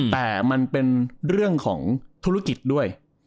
แต่มันเป็นเรื่องของธุรกิจด้วย